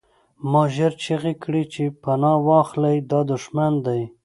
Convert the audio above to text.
ما ژر چیغې کړې چې پناه واخلئ دا دښمن دی